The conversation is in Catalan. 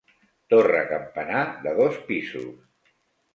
Torre campanar de dos pisos.